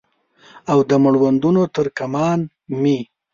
او د مړوندونو تر کمان مې